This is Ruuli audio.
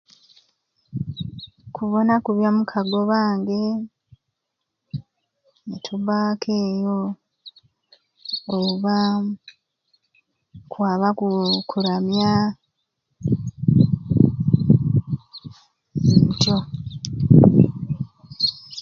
Kubona ku bamikago bange nitubbaku eyo oba kwaba ku kuramya......ntyo.